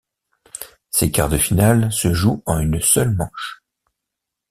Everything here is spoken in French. Ces quarts de finale se jouent en une seule manche.